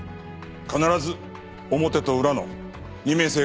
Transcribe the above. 必ず表と裏の二面性がある。